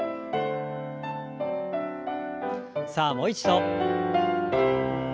さあもう一度。